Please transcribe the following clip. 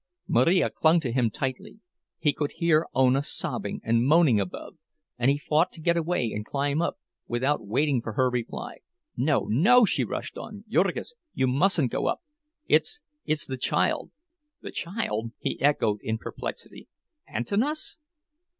Marija clung to him tightly; he could hear Ona sobbing and moaning above, and he fought to get away and climb up, without waiting for her reply. "No, no," she rushed on. "Jurgis! You mustn't go up! It's—it's the child!" "The child?" he echoed in perplexity. "Antanas?"